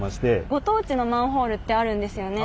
ご当地のマンホールってあるんですよね。